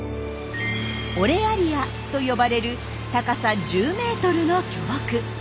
「オレアリア」と呼ばれる高さ１０メートルの巨木。